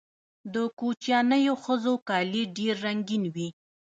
د کوچیانیو ښځو کالي ډیر رنګین وي.